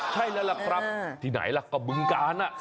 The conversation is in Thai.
ใช่แล้วล่ะครับที่ไหนล่ะก็บึงกาล